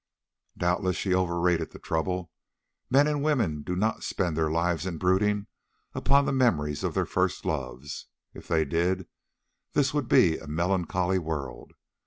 Doubtless she overrated the trouble; men and women do not spend their lives in brooding upon the memories of their first loves—if they did, this would be a melancholy world.